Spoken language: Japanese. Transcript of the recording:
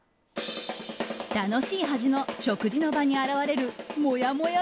楽しいはずの食事の場に現れるもやもや